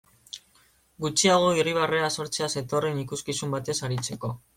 Gutxiago irribarrea sortzera zetorren ikuskizun batez aritzeko.